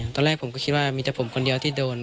ตอนแรกผมก็คิดว่ามีแต่ผมคนเดียวที่โดน